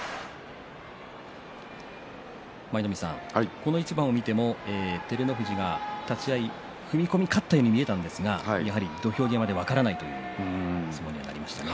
この一番を見ても照ノ富士が立ち合い踏み込み勝ったように見えたんですが土俵際で分からないという相撲になりましたね。